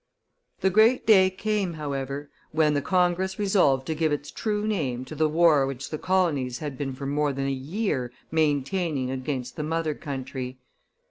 The great day came, however, when the Congress resolved to give its true name to the war which the colonies had been for more than a year maintaining against the mothercountry.